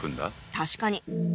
確かに！